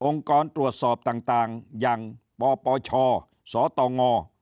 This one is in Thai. กรตรวจสอบต่างอย่างปปชสตง